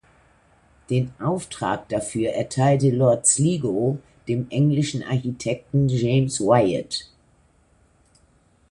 Den Auftrag dafür erteilte Lord Sligo dem englischen Architekten James Wyatt.